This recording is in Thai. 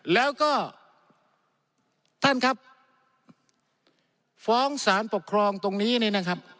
แล้วก็ท่านครับฟ้องสารปกครองตรงนี้เนี่ยนะครับ